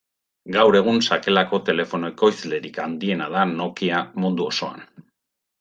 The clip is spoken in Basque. Gaur egun sakelako telefono-ekoizlerik handiena da Nokia mundu osoan.